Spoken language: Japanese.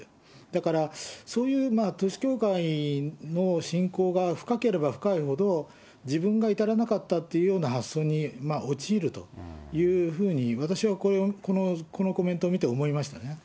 だから、そういう統一教会の信仰が深ければ深いほど、自分が至らなかったっていうような発想に陥るというふうに、私はこのコメントを見て思いましたね。